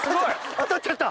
当たっちゃった！